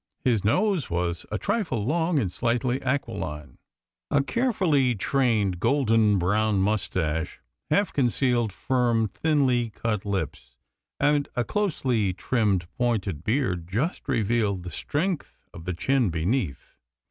His nose was a trifle long and slightly aquiline. A carefully trained golden brown moustache half concealed firm, thinly cut lips, and a closely trimmed, pointed beard just revealed the strength of the chin beneath.